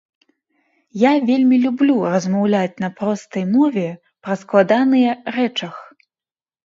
Я вельмі люблю размаўляць на простай мове пра складаныя рэчах.